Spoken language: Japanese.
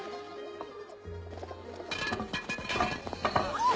あっ！